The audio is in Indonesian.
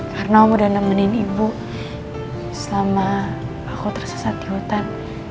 karena om udah nemenin ibu selama aku tersesat di hutan